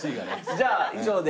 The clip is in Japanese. じゃあ以上で。